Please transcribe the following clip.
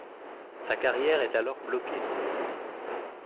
Sa carrière est alors bloquée.